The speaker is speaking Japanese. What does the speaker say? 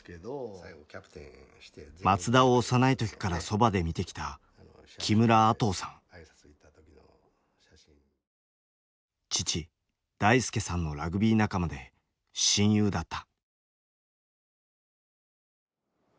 松田を幼い時からそばで見てきた父大輔さんのラグビー仲間で親友だった。